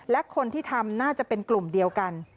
และคนที่ทำน่าจะเป็นกลุ่มเดียวกัน